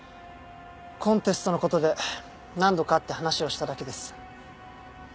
コンテストの事で何度か会って話をしただけです。